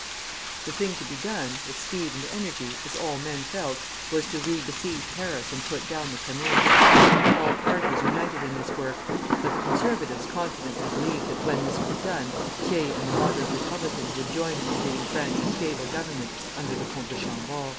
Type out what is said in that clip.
The thing to be done, with speed and energy, as all men felt, was to re besiege Paris and put down the Commune. All parties united in this work; but the conservatives confidently believed that when this was done, Thiers and the moderate Republicans would join them in giving France a stable government under the Comte de Chambord.